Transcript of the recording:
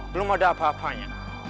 belum ada apa apanya